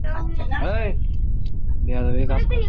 আমার দাদা এই অষুধটা দিতেন।